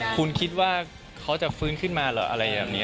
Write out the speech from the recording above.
คุณคิดว่าเขาจะฟื้นขึ้นมาเหรออะไรแบบนี้